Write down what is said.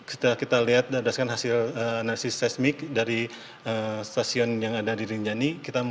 setelah kita lihat berdasarkan hasil analisis seismik dari stasiun yang ada di rinjani